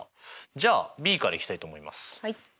じゃあＢからいきたいと思います。